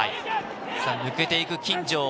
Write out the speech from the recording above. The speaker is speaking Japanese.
抜けていく金城。